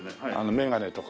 眼鏡とか。